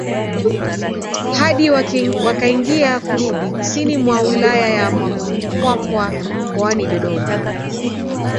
Hadi wakaingia kurudi kusini mwa wilaya ya Mpwapwa mkoani Dodoma